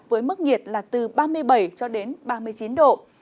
với mức nhiệt là từ ba mươi bảy cho đến ba mươi chín độ